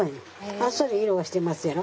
あっさり色がしてますやろ。